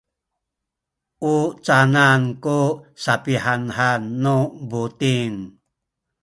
u canan ku sapihanhan nu buting?